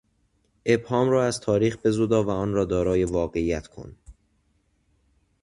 ابهام را از تاریخ بزدا و آن را دارای واقعیت کن.